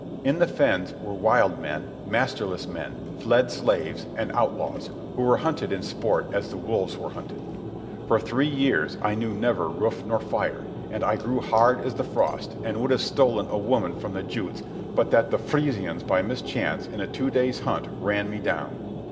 In the fens were wild men, masterless men, fled slaves, and outlaws, who were hunted in sport as the wolves were hunted. For three years I knew never roof nor fire, and I grew hard as the frost, and would have stolen a woman from the Juts but that the Frisians by mischance, in a two days' hunt, ran me down.